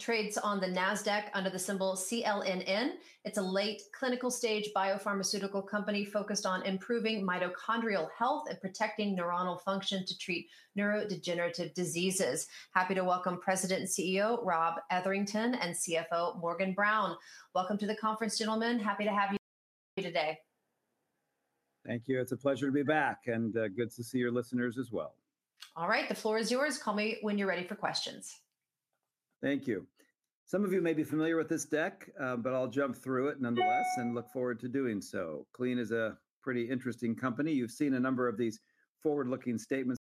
Trades on the Nasdaq under the symbol CLNN. It's a late clinical stage biopharmaceutical company focused on improving mitochondrial health and protecting neuronal function to treat neurodegenerative diseases. Happy to welcome President and CEO Rob Etherington and CFO Morgan Brown. Welcome to the conference, gentlemen. Happy to have you today. Thank you. It's a pleasure to be back and good to see your listeners as well. All right, the floor is yours. Call me when you're ready for questions. Thank you. Some of you may be familiar with this deck, but I'll jump through it nonetheless and look forward to doing so. Clene is a pretty interesting company. You've seen a number of these forward-looking statements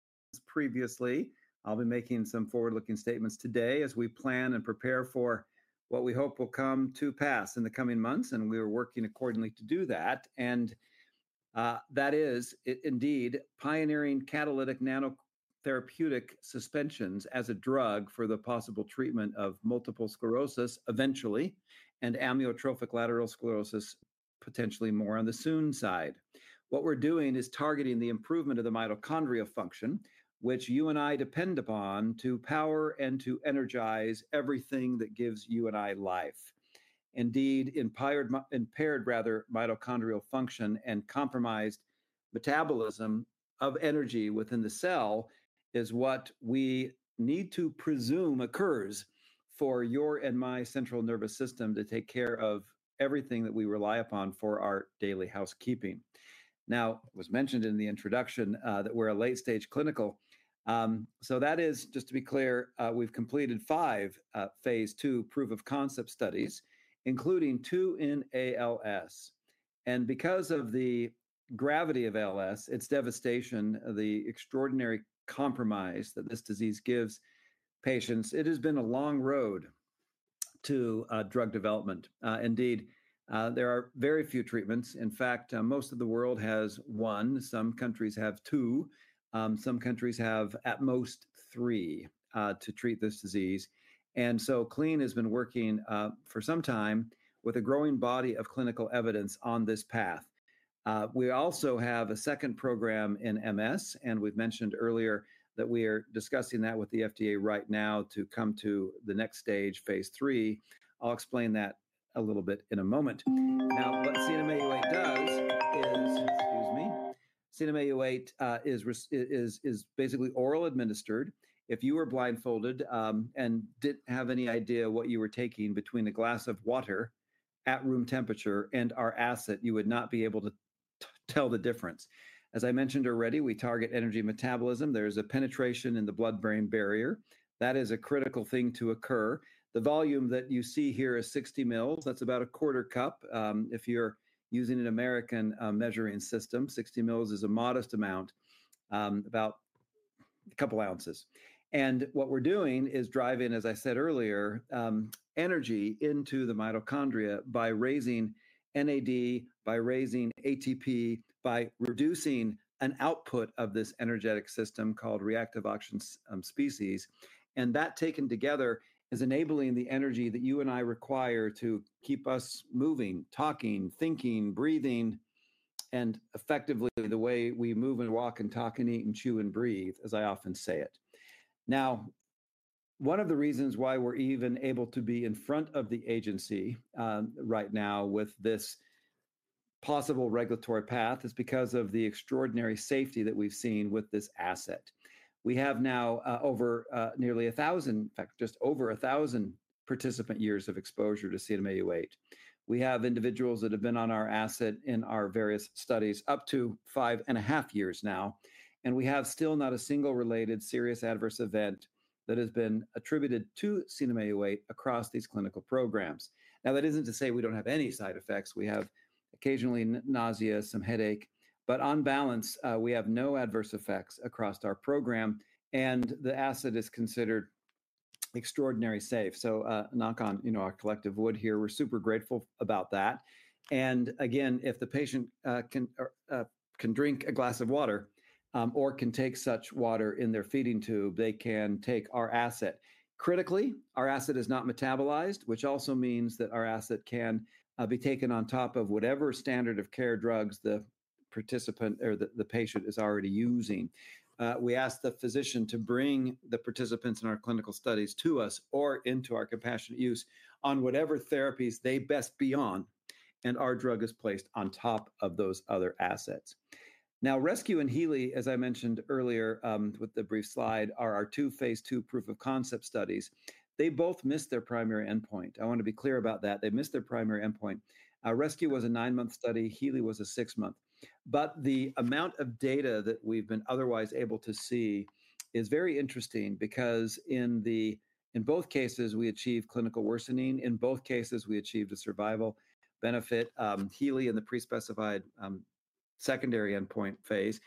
previously. I'll be making some forward-looking statements today as we plan and prepare for what we hope will come to pass in the coming months, and we are working accordingly to do that. That is indeed pioneering catalytic nanotherapeutic suspensions as a drug for the possible treatment of multiple sclerosis eventually, and amyotrophic lateral sclerosis potentially more on the soon side. What we're doing is targeting the improvement of the mitochondrial function, which you and I depend upon to power and to energize everything that gives you and I life. Indeed, impaired mitochondrial function and compromised metabolism of energy within the cell is what we need to presume occurs for your and my central nervous system to take care of everything that we rely upon for our daily housekeeping. It was mentioned in the introduction that we're a late-stage clinical. Just to be clear, we've completed five phase II proof-of-concept studies, including two in ALS. Because of the gravity of ALS, its devastation, the extraordinary compromise that this disease gives patients, it has been a long road to drug development. There are very few treatments. In fact, most of the world has one. Some countries have two. Some countries have at most three to treat this disease. Clene has been working for some time with a growing body of clinical evidence on this path. We also have a second program in MS, and we mentioned earlier that we are discussing that with the FDA right now to come to the next stage, phase III. I'll explain that a little bit in a moment. Now, what CNM-Au8 does is, excuse me, CNM-Au8 is basically oral administered. If you were blindfolded and didn't have any idea what you were taking between a glass of water at room temperature and our acid, you would not be able to tell the difference. As I mentioned already, we target energy metabolism. There's a penetration in the blood-brain barrier. That is a critical thing to occur. The volume that you see here is 60 mL. That's about a quarter cup. If you're using an American measuring system, 60 mL is a modest amount, about a couple ounces. What we're doing is driving, as I said earlier, energy into the mitochondria by raising NAD, by raising ATP, by reducing an output of this energetic system called reactive oxygen species. That taken together is enabling the energy that you and I require to keep us moving, talking, thinking, breathing, and effectively the way we move and walk and talk and eat and chew and breathe, as I often say it. One of the reasons why we're even able to be in front of the agency right now with this possible regulatory path is because of the extraordinary safety that we've seen with this asset. We have now over nearly a thousand, in fact, just over a thousand participant years of exposure to CNM-Au8. We have individuals that have been on our asset in our various studies up to five and a half years now, and we have still not a single related serious adverse event that has been attributed to CNM-Au8 across these clinical programs. That isn't to say we don't have any side effects. We have occasionally nausea, some headache, but on balance, we have no adverse effects across our program, and the asset is considered extraordinarily safe. Knock on our collective wood here, we're super grateful about that. If the patient can drink a glass of water or can take such water in their feeding tube, they can take our asset. Critically, our asset is not metabolized, which also means that our asset can be taken on top of whatever standard of care drugs the participant or the patient is already using. We ask the physician to bring the participants in our clinical studies to us or into our compassionate use on whatever therapies they best be on, and our drug is placed on top of those other assets. RESCUE and HEALEY, as I mentioned earlier with the brief slide, are our two phase II proof-of-concept studies. They both missed their primary endpoint. I want to be clear about that. They missed their primary endpoint. RESCUE was a nine-month study. HEALEY was a six-month. The amount of data that we've been otherwise able to see is very interesting because in both cases, we achieved clinical worsening. In both cases, we achieved a survival benefit, HEALEY in the pre-specified secondary endpoint phase.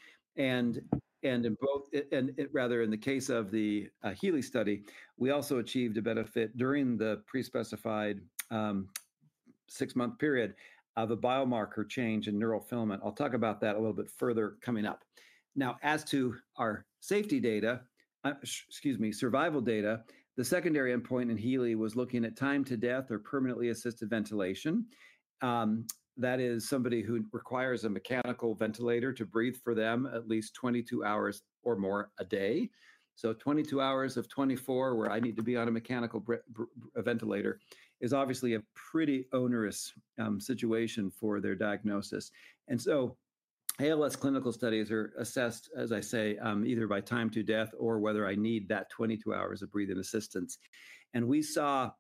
In both, and rather in the case of the HEALEY study, we also achieved a benefit during the pre-specified six-month period of a biomarker change in neurofilament. I'll talk about that a little bit further coming up. Now, as to our safety data, excuse me, survival data, the secondary endpoint in HEALEY was looking at time to death or permanently assisted ventilation. That is somebody who requires a mechanical ventilator to breathe for them at least 22 hours or more a day. 22 of 24 hours where I need to be on a mechanical ventilator is obviously a pretty onerous situation for their diagnosis. ALS clinical studies are assessed, as I say, either by time to death or whether I need that 22 hours of breathing assistance. We saw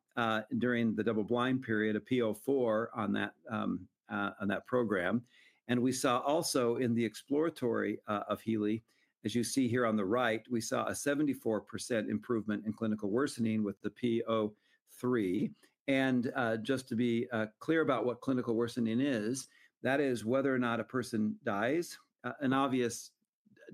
during the double-blind period a p=0.04 on that program. We saw also in the exploratory of HEALEY, as you see here on the right, a 74% improvement in clinical worsening with the p=0.03. Just to be clear about what clinical worsening is, that is whether or not a person dies, an obvious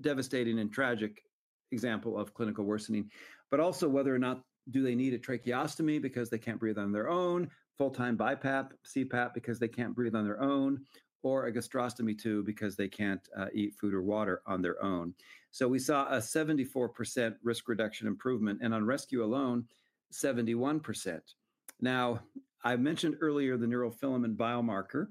devastating and tragic example of clinical worsening, but also whether or not they need a tracheostomy because they can't breathe on their own, full-time BiPAP, CPAP because they can't breathe on their own, or a gastrostomy tube because they can't eat food or water on their own. We saw a 74% risk reduction improvement, and on RESCUE alone, 71%. I mentioned earlier the neurofilament biomarker.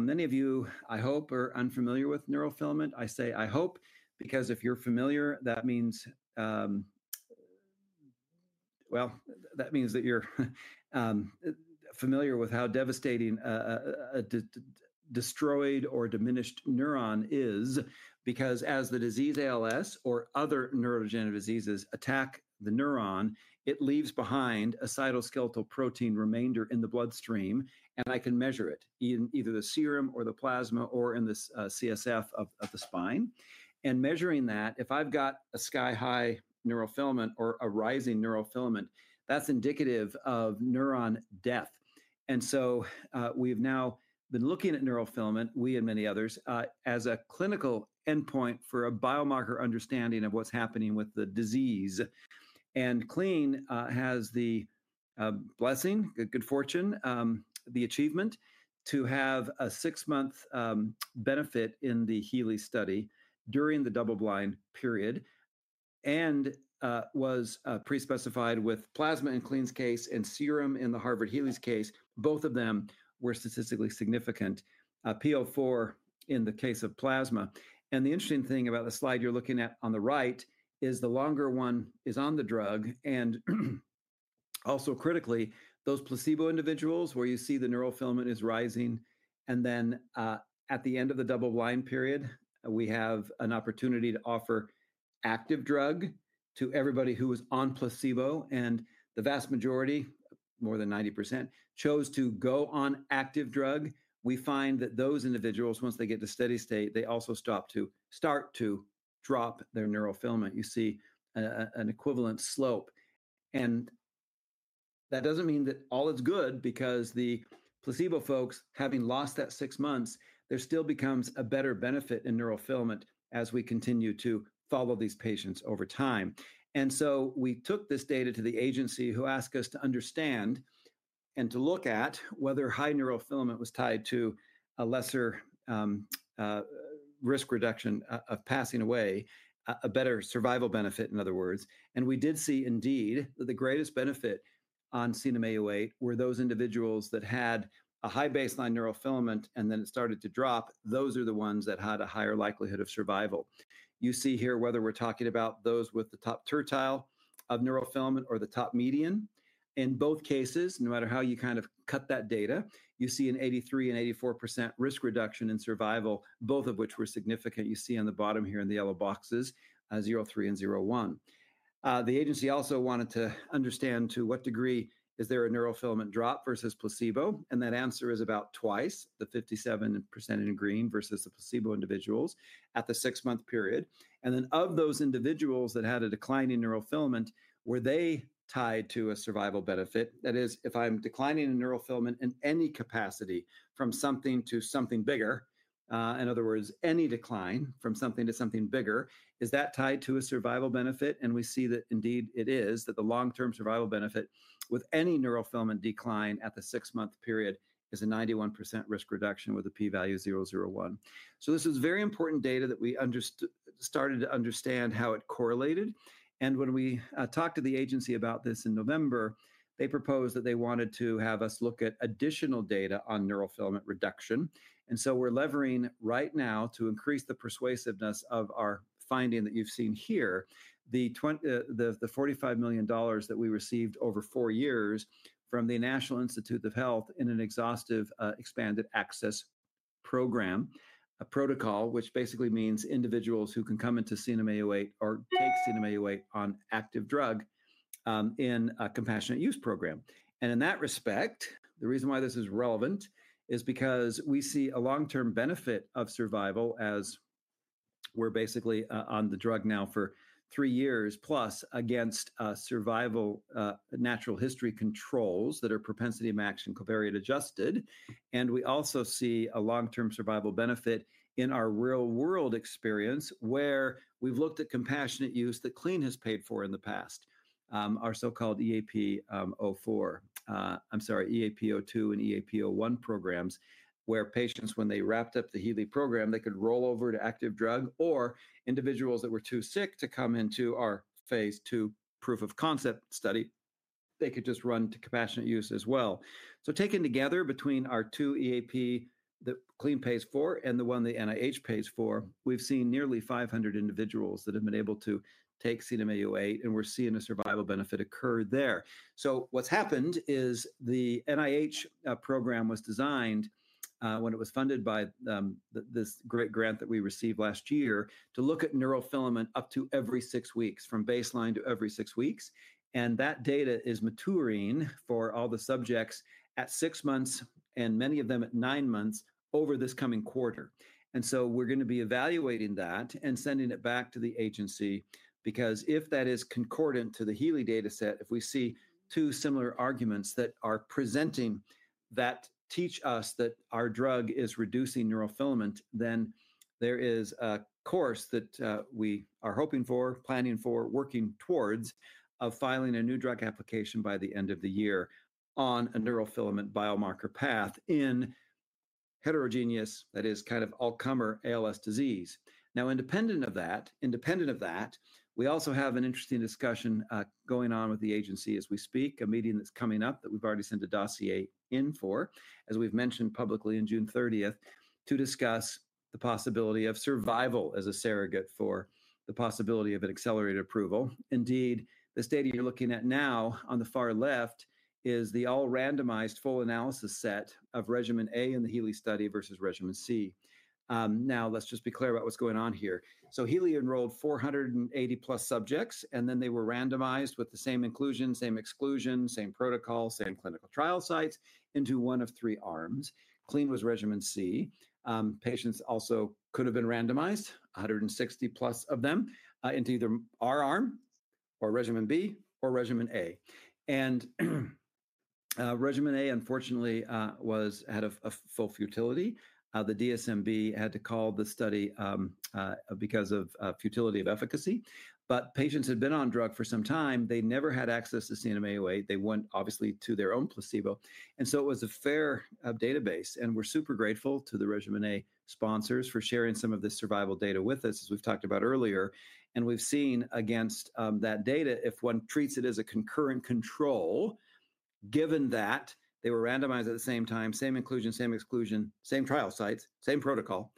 Many of you, I hope, are unfamiliar with neurofilament. I say I hope because if you're familiar, that means, well, that means that you're familiar with how devastating a destroyed or diminished neuron is because as the disease ALS or other neurodegenerative diseases attack the neuron, it leaves behind a cytoskeletal protein remainder in the bloodstream, and I can measure it in either the serum or the plasma or in the CSF of the spine. Measuring that, if I've got a sky-high neurofilament or a rising neurofilament, that's indicative of neuron death. We've now been looking at neurofilament, we and many others, as a clinical endpoint for a biomarker understanding of what's happening with the disease. Clene has the blessing, good fortune, the achievement to have a six-month benefit in the HEALEY study during the double-blind period and was pre-specified with plasma in Clene's case and serum in the Harvard HEALEY's case. Both of them were statistically significant, p=0.04 in the case of plasma. The interesting thing about the slide you're looking at on the right is the longer one is on the drug and also critically, those placebo individuals where you see the neurofilament is rising. At the end of the double-blind period, we have an opportunity to offer active drug to everybody who was on placebo. The vast majority, more than 90%, chose to go on active drug. We find that those individuals, once they get to steady state, also start to drop their neurofilament. You see an equivalent slope. That doesn't mean that all is good because the placebo folks, having lost that six months, there still becomes a better benefit in neurofilament as we continue to follow these patients over time. We took this data to the agency who asked us to understand and to look at whether high neurofilament was tied to a lesser risk reduction of passing away, a better survival benefit, in other words. We did see indeed that the greatest benefit on CNM-Au8 were those individuals that had a high baseline neurofilament and then it started to drop. Those are the ones that had a higher likelihood of survival. You see here whether we're talking about those with the top tertile of neurofilament or the top median. In both cases, no matter how you kind of cut that data, you see an 83% and 84% risk reduction in survival, both of which were significant. You see on the bottom here in the yellow boxes, 0.3 and 0.1. The agency also wanted to understand to what degree is there a neurofilament drop versus placebo. That answer is about twice, the 57% in green versus the placebo individuals at the six-month period. Of those individuals that had a decline in neurofilament, were they tied to a survival benefit? That is, if I'm declining in neurofilament in any capacity from something to something bigger, in other words, any decline from something to something bigger, is that tied to a survival benefit? We see that indeed it is, that the long-term survival benefit with any neurofilament decline at the six-month period is a 91% risk reduction with a p-value of 0.01. This is very important data that we started to understand how it correlated. When we talked to the agency about this in November, they proposed that they wanted to have us look at additional data on neurofilament reduction. We're levering right now to increase the persuasiveness of our finding that you've seen here, the $45 million that we received over four years from the National Institutes of Health in an exhaustive expanded access program, a protocol which basically means individuals who can come into CNM-Au8 or take CNM-Au8 on active drug in a compassionate use program. In that respect, the reason why this is relevant is because we see a long-term benefit of survival as we're basically on the drug now for three years plus against survival natural history controls that are propensity matched and covariate adjusted. We also see a long-term survival benefit in our real-world experience where we've looked at compassionate use that Clene has paid for in the past, our so-called EAP02 and EAP01 programs where patients, when they wrapped up the HEALEY program, they could roll over to active drug or individuals that were too sick to come into our phase II proof-of-concept study, they could just run to compassionate use as well. Taken together between our two EAP that Clene pays for and the one the NIH pays for, we've seen nearly 500 individuals that have been able to take CNM-Au8 and we're seeing a survival benefit occur there. The NIH program was designed when it was funded by this great grant that we received last year to look at neurofilament up to every six weeks, from baseline to every six weeks. That data is maturing for all the subjects at six months and many of them at nine months over this coming quarter. We're going to be evaluating that and sending it back to the agency because if that is concordant to the HEALEY data set, if we see two similar arguments that are presenting that teach us that our drug is reducing neurofilaments, then there is a course that we are hoping for, planning for, working towards of filing a New Drug Application by the end of the year on a neurofilament biomarker path in heterogeneous, that is kind of all-comer ALS disease. Now, independent of that, we also have an interesting discussion going on with the agency as we speak, a meeting that's coming up that we've already sent a dossier in for, as we've mentioned publicly on June 30th, to discuss the possibility of survival as a surrogate for the possibility of an accelerated approval. Indeed, this data you're looking at now on the far left is the all-randomized full analysis set of regimen A in the HEALEY study versus regimen C. Now, let's just be clear about what's going on here. HEALEY enrolled 480+ subjects and then they were randomized with the same inclusion, same exclusion, same protocol, same clinical trial sites into one of three arms. Clene was regimen C. Patients also could have been randomized, 160+ of them, into either our arm or regimen B or regimen A. Regimen A, unfortunately, had a full futility. The DSMB had to call the study because of futility of efficacy. Patients had been on drug for some time. They never had access to CNM-Au8. They went obviously to their own placebo. It was a fair database. We're super grateful to the regimen A sponsors for sharing some of this survival data with us, as we've talked about earlier. We've seen against that data, if one treats it as a concurrent control, given that they were randomized at the same time, same inclusion, same exclusion, same trial sites, same protocol,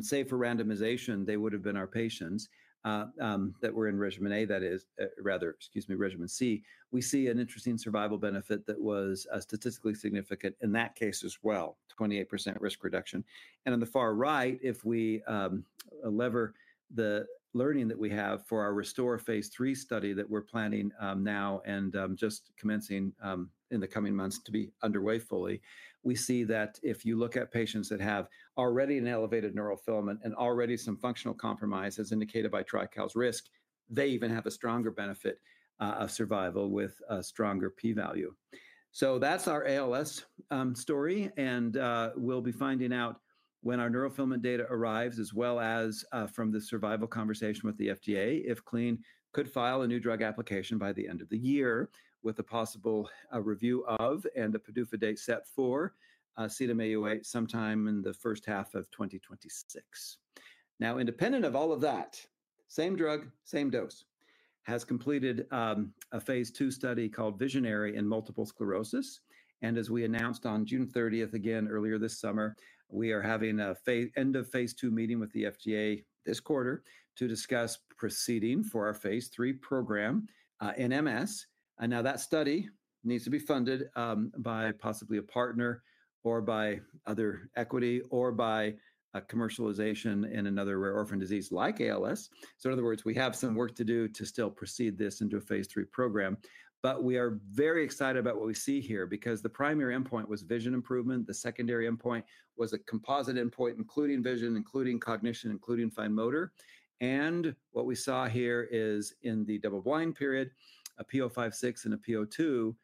save for randomization, they would have been our patients that were in regimen A, that is, rather, excuse me, regimen C. We see an interesting survival benefit that was statistically significant in that case as well, 28% risk reduction. On the far right, if we lever the learning that we have for our RESTORE phase III study that we're planning now and just commencing in the coming months to be underway fully, we see that if you look at patients that have already an elevated neurofilament and already some functional compromise, as indicated by TRICALS risk, they even have a stronger benefit of survival with a stronger p-value. That's our ALS story. We'll be finding out when our neurofilament data arrives, as well as from the survival conversation with the FDA, if Clene could file a New Drug Application by the end of the year with a possible review of and a PDUFA date set for CNM-Au8 sometime in the first half of 2026. Independent of all of that, same drug, same dose, has completed a phase II study called VISIONARY in multiple sclerosis. As we announced on June 30th, again earlier this summer, we are having an end of phase II meeting with the FDA this quarter to discuss proceeding for our phase III program in MS. That study needs to be funded by possibly a partner or by other equity or by commercialization in another rare orphan disease like ALS. In other words, we have some work to do to still proceed this into a phase III program. We are very excited about what we see here because the primary endpoint was vision improvement. The secondary endpoint was a composite endpoint, including vision, including cognition, including fine motor. What we saw here is in the double-blind period, a p=0.56 and a p=0.2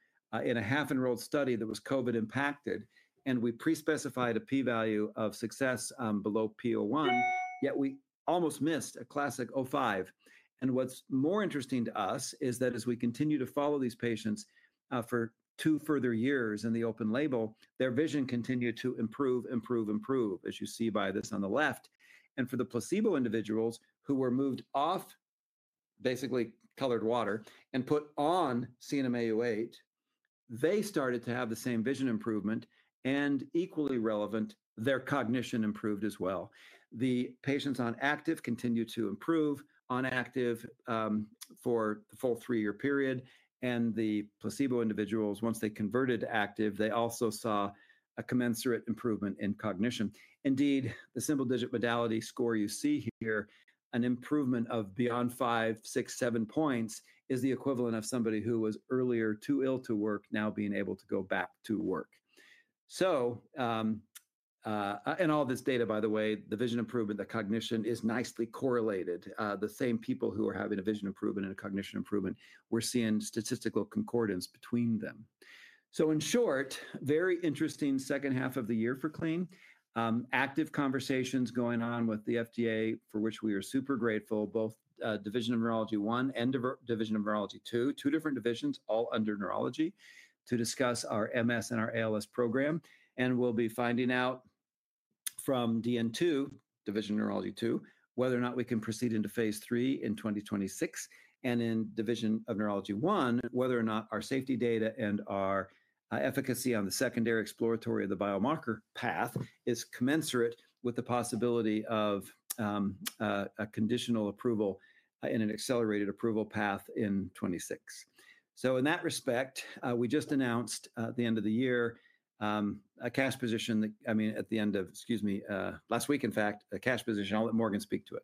in a half-enrolled study that was COVID impacted. We pre-specified a p-value of success below p=0.1, yet we almost missed a classic [p=0.05]. What's more interesting to us is that as we continue to follow these patients for two further years in the open label, their vision continued to improve, improve, improve, as you see by this on the left. For the placebo individuals who were moved off basically colored water and put on CNM-Au8, they started to have the same vision improvement. Equally relevant, their cognition improved as well. The patients on active continued to improve on active for the full three-year period. The placebo individuals, once they converted to active, also saw a commensurate improvement in cognition. Indeed, the single-digit modality score you see here, an improvement of beyond five, six, seven points is the equivalent of somebody who was earlier too ill to work now being able to go back to work. In all this data, by the way, the vision improvement, the cognition is nicely correlated. The same people who are having a vision improvement and a cognition improvement, we're seeing statistical concordance between them. In short, very interesting second half of the year for Clene. Active conversations going on with the FDA for which we are super grateful, both Division of Neurology I and Division of Neurology II, two different divisions all under neurology to discuss our MS and our ALS program. We'll be finding out from DN II, Division of Neurology II, whether or not we can proceed into phase III in 2026. In Division of Neurology I, whether or not our safety data and our efficacy on the secondary exploratory of the biomarker path is commensurate with the possibility of a conditional approval in an accelerated approval path in 2026. In that respect, we just announced at the end of the year a cash position that, I mean, at the end of, excuse me, last week, in fact, a cash position. I'll let Morgan speak to it.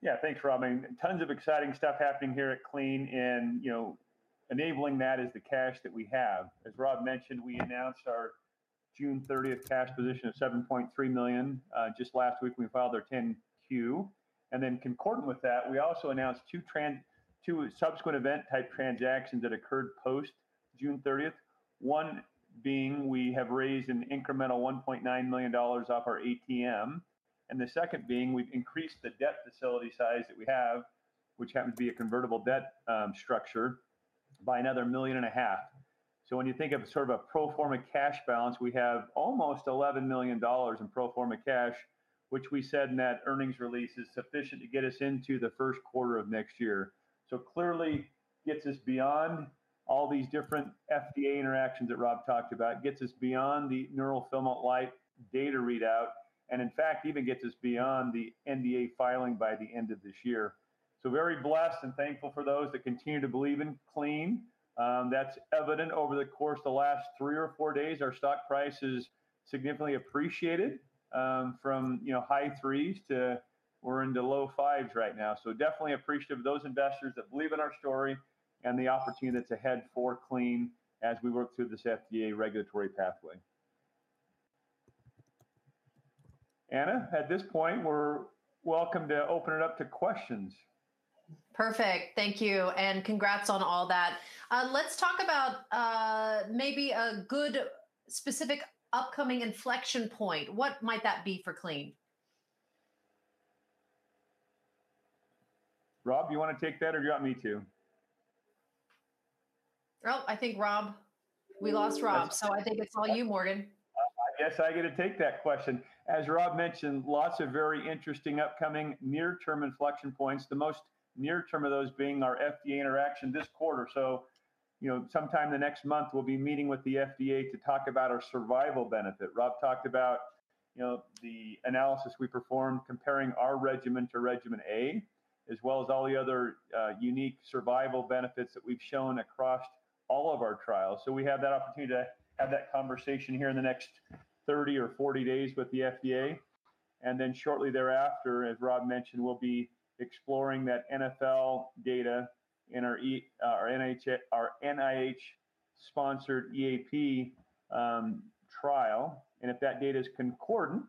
Yeah, thanks, Rob. I mean, tons of exciting stuff happening here at Clene and, you know, enabling that is the cash that we have. As Rob mentioned, we announced our June 30th cash position of $7.3 million. Just last week, we filed our 10-Q. Concordant with that, we also announced two subsequent event-type transactions that occurred post-June 30th. One being we have raised an incremental $1.9 million off our [APM]. The second being we've increased the debt facility size that we have, which happens to be a convertible debt structure, by another $1.5 million. When you think of sort of a pro forma cash balance, we have almost $11 million in pro forma cash, which we said in that earnings release is sufficient to get us into the first quarter of next year. Clearly, it gets us beyond all these different FDA interactions that Rob talked about. It gets us beyond the neurofilament light data readout. In fact, it even gets us beyond the NDA filing by the end of this year. Very blessed and thankful for those that continue to believe in Clene. That's evident over the course of the last three or four days. Our stock price has significantly appreciated from high threes to we're into low fives right now. Definitely appreciative of those investors that believe in our story and the opportunity that's ahead for Clene as we work through this FDA regulatory pathway. Anna, at this point, we're welcome to open it up to questions. Perfect. Thank you. Congrats on all that. Let's talk about maybe a good specific upcoming inflection point. What might that be for Clene? Rob, you want to take that or do you want me to? I think Rob, we lost Rob. I think it's all you, Morgan. Yes, I get to take that question. As Rob mentioned, lots of very interesting upcoming near-term inflection points, the most near-term of those being our FDA interaction this quarter. Sometime in the next month, we'll be meeting with the FDA to talk about our survival benefit. Rob talked about the analysis we performed comparing our regimen to regimen A, as well as all the other unique survival benefits that we've shown across all of our trials. We have that opportunity to have that conversation here in the next 30 or 40 days with the FDA. Shortly thereafter, as Rob mentioned, we'll be exploring that NfL data in our NIH-sponsored EAP trial. If that data is concordant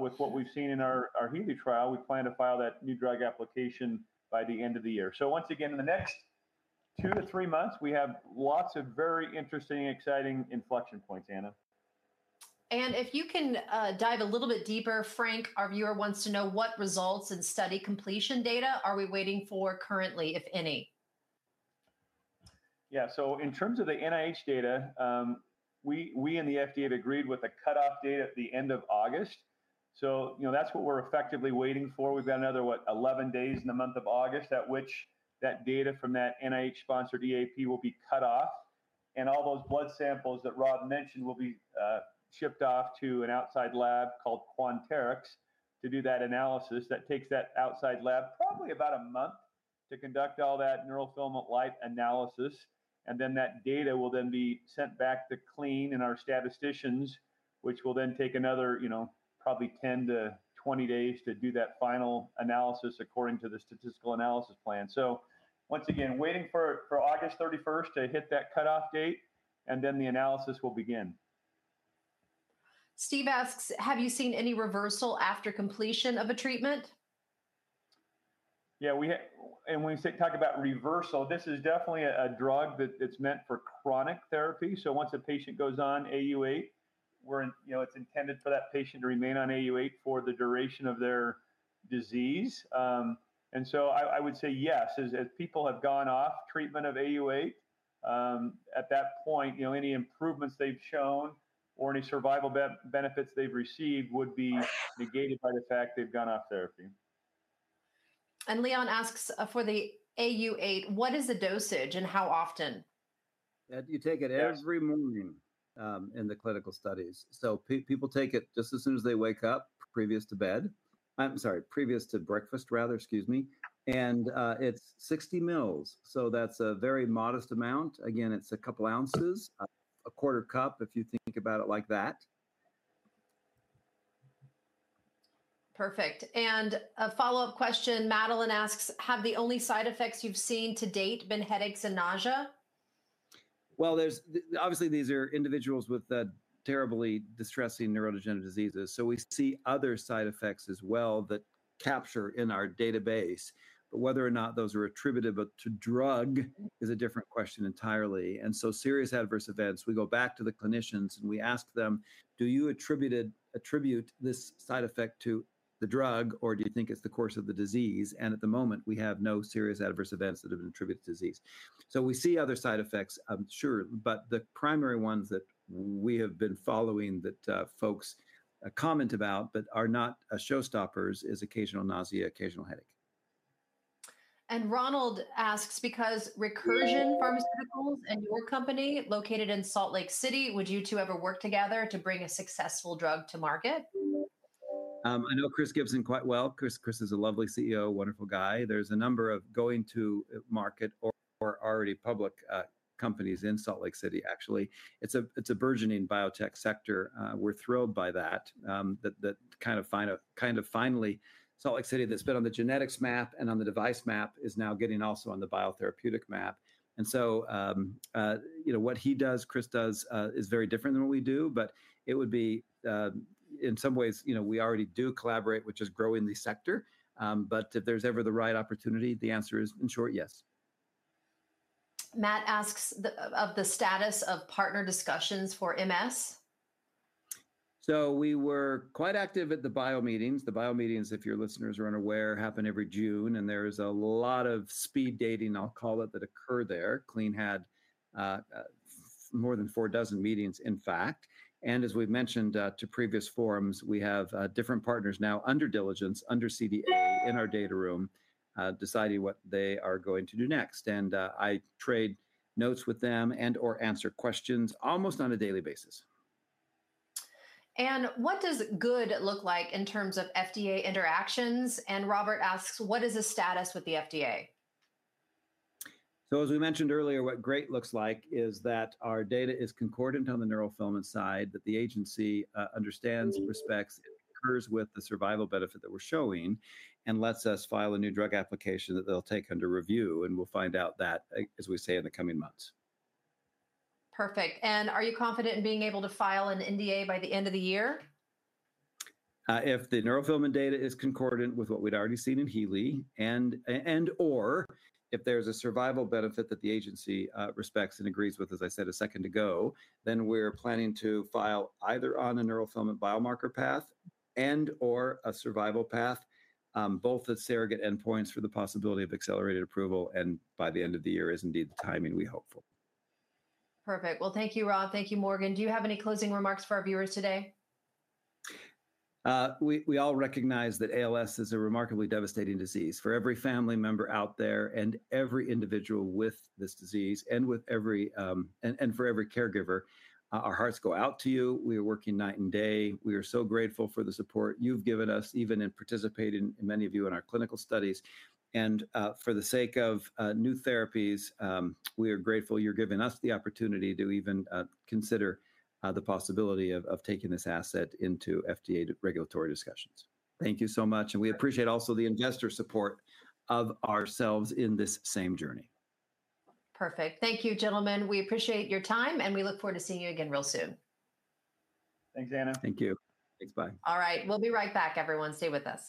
with what we've seen in our HEALEY trial, we plan to file that New Drug Application by the end of the year. Once again, in the next two to three months, we have lots of very interesting, exciting inflection points, Anna. If you can dive a little bit deeper, Frank, our viewer, wants to know what results and study completion data are we waiting for currently, if any? Yeah, so in terms of the NIH data, we and the FDA have agreed with a cutoff date at the end of August. That's what we're effectively waiting for. We've got another, what, 11 days in the month of August at which that data from that NIH-sponsored expanded access program will be cut off. All those blood samples that Rob mentioned will be shipped off to an outside lab called Quanterix to do that analysis. That takes that outside lab probably about a month to conduct all that neurofilament light analysis. That data will then be sent back to Clene and our statisticians, which will then take another, you know, probably 10-20 days to do that final analysis according to the statistical analysis plan. Once again, waiting for August 31st to hit that cutoff date, and then the analysis will begin. Steve asks, have you seen any reversal after completion of a treatment? Yeah, when we talk about reversal, this is definitely a drug that's meant for chronic therapy. Once a patient goes on Au8, it's intended for that patient to remain on Au8 for the duration of their disease. I would say yes, as people have gone off treatment of Au8, at that point, any improvements they've shown or any survival benefits they've received would be negated by the fact they've gone off therapy. Leon asks for the Au8, what is the dosage and how often? You take it every morning in the clinical studies. People take it just as soon as they wake up, previous to bed, I'm sorry, previous to breakfast, rather, excuse me. It's 60 mL. That's a very modest amount. It's a couple ounces, 1/4 cup if you think about it like that. Perfect. A follow-up question, Madeline asks, have the only side effects you've seen to date been headaches and nausea? These are individuals with terribly distressing neurodegenerative diseases. We see other side effects as well that capture in our database. Whether or not those are attributed to drug is a different question entirely. Serious adverse events, we go back to the clinicians and we ask them, do you attribute this side effect to the drug or do you think it's the course of the disease? At the moment, we have no serious adverse events that have been attributed to disease. We see other side effects, I'm sure, but the primary ones that we have been following that folks comment about but are not showstoppers is occasional nausea, occasional headache. Ronald asks, because Recursion Pharmaceuticals and [Wool Company] are located in Salt Lake City, would you two ever work together to bring a successful drug to market? I know Chris Gibson quite well. Chris is a lovely CEO, wonderful guy. There are a number of going to market or already public companies in Salt Lake City, actually. It's a burgeoning biotech sector. We're thrilled by that, that kind of finally, Salt Lake City, that's been on the genetics map and on the device map, is now getting also on the biotherapeutic map. You know, what he does, Chris does, is very different than what we do. It would be, in some ways, you know, we already do collaborate, which is growing the sector. If there's ever the right opportunity, the answer is, in short, yes. Matt asks of the status of partner discussions for MS. We were quite active at the bio meetings. The bio meetings, if your listeners are unaware, happen every June, and there's a lot of speed dating, I'll call it, that occur there. Clene had more than four dozen meetings, in fact. As we've mentioned to previous forums, we have different partners now under diligence, under... in our data room, deciding what they are going to do next. I trade notes with them and/or answer questions almost on a daily basis. What does "good" look like in terms of FDA interactions? Robert asks, what is the status with the FDA? As we mentioned earlier, what "great" looks like is that our data is concordant on the neurofilament side, that the agency understands, respects, and concurs with the survival benefit that we're showing, and lets us file a New Drug Application that they'll take under review. We'll find out that, as we say, in the coming months. Perfect. Are you confident in being able to file an NDA by the end of the year? If the neurofilament data is concordant with what we'd already seen in HEALEY and/or if there's a survival benefit that the agency respects and agrees with, as I said a second ago, we're planning to file either on a neurofilament biomarker path and/or a survival path, both as surrogate endpoints for the possibility of accelerated approval, and by the end of the year is indeed the timing we hope for. Perfect. Thank you, Rob. Thank you, Morgan. Do you have any closing remarks for our viewers today? We all recognize that ALS is a remarkably devastating disease. For every family member out there and every individual with this disease and for every caregiver, our hearts go out to you. We are working night and day. We are so grateful for the support you've given us, even in participating, many of you, in our clinical studies. For the sake of new therapies, we are grateful you're giving us the opportunity to even consider the possibility of taking this asset into FDA regulatory discussions. Thank you so much. We appreciate also the investor support of ourselves in this same journey. Perfect. Thank you, gentlemen. We appreciate your time, and we look forward to seeing you again real soon. Thanks, Anna. Thank you. Thanks, bye. All right, we'll be right back, everyone. Stay with us.